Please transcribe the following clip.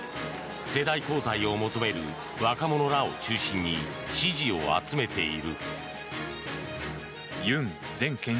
世代交代を求める若者らを中心に支持を集めている。